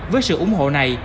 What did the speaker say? với sự ủng hộ này